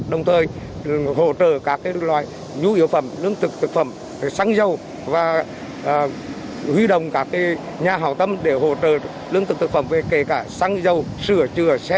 đồng thời hỗ trợ các loại nhu yếu phẩm lương thực thực phẩm sáng dâu và huy động các nhà hào tâm để hỗ trợ lương thực thực phẩm kể cả sáng dâu sửa chữa